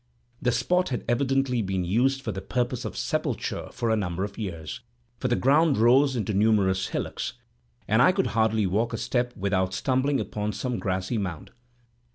The spot had evidently been used for the purposes of sepulture for a number of years, for the ground rose into numerous hillocks, and I could hardly walk a step without stumbling upon some grassy mound.